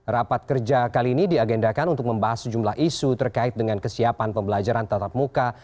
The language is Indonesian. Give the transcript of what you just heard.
rapat kerja kali ini diagendakan untuk membahas sejumlah isu terkait dengan kesiapan pembelajaran tatap muka